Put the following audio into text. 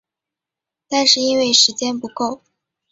但是因为时间不够